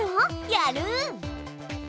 やる！